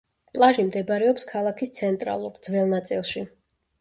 პლაჟი მდებარეობს ქალაქის ცენტრალურ, ძველ ნაწილში.